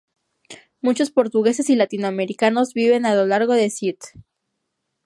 Muchos portugueses y latinoamericanos viven a lo largo de St.